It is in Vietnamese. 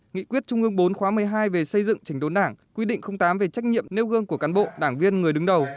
nghị quyết trung ương bốn khóa một mươi hai về xây dựng trình đốn đảng quy định tám về trách nhiệm nêu gương của cán bộ đảng viên người đứng đầu